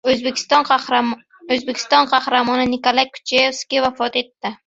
O‘zbekiston Qahramoni Nikolay Kucherskiy vafot etdi